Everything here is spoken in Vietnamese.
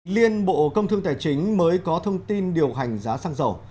liên bộ công thương tài chính mới có thông tin điều hành giá xăng dầu